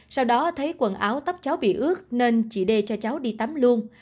sau đó thấy quần áo tấp cháu bị ướt nên chị đê cho cháu đi tắm luôn